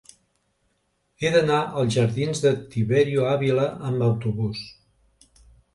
He d'anar als jardins de Tiberio Ávila amb autobús.